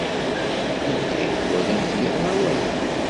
Anda ay walant yeḍra waya?